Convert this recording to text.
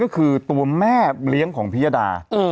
ก็คือตัวแม่เลี้ยงของพิยดา